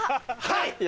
はい！